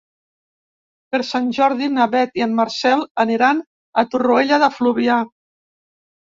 Per Sant Jordi na Beth i en Marcel aniran a Torroella de Fluvià.